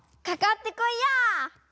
かかってこいや！